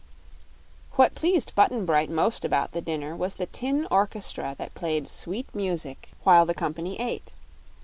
What pleased Button Bright most about the dinner was the tin orchestra that played sweet music while the company ate.